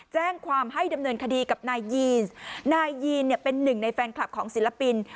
แจ้งความให้ดำเนินคดีกับนายยีนนายยีนเนี่ยเป็นหนึ่งในแฟนคลับของศิลปิน